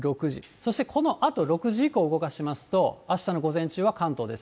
そしてこのあと６時以降動かしますと、あしたの午前中は関東です。